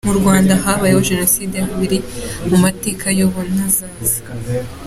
Mu Rwanda habaye Jenoside, biri mu mateka y’ubu n’azaza.